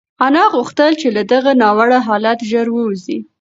انا غوښتل چې له دغه ناوړه حالته ژر ووځي.